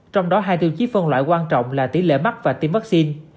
trong đó hai tiêu chí phân loại quan trọng là tỷ lệ mắc và tiêm vaccine